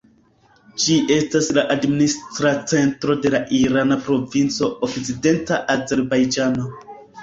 Ĝi estas la administra centro de la irana provinco Okcidenta Azerbajĝano.